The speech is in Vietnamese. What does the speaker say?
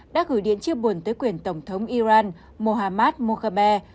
đã gửi điện chia buồn tới quyền tổng thống iran mohammad mokhe